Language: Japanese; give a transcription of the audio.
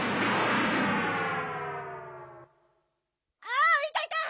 あっいたいた！